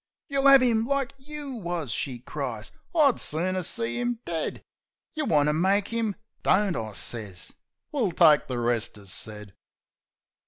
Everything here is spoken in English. "You'll 'ave 'im like you wus!" she cries. I'd sooner see 'im dead! You want to make 'im ..." "Don't," I sez. "We'll take the rest as said."